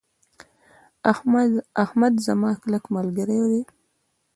احمد زما کلک ملګری ده.